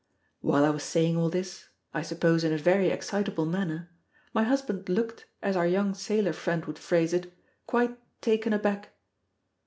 While I was saying all this I suppose in a very excitable manner my husband looked, as our young sailor friend would phrase it, quite _taken aback.